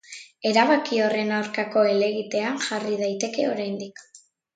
Erabaki horren aurkako helegitea jarri daiteke oraindik.